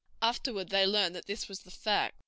Afterward they learned that this was the fact.